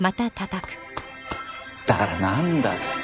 だからなんだって！